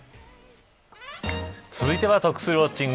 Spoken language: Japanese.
続いては、得するウォッチング！